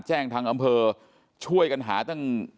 แจ้งทางอำเภอช่วยกันหาตั้ง